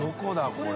これ。